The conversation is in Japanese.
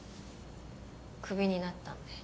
クビになったんで。